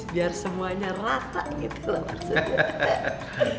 biar semuanya rata gitu loh maksudnya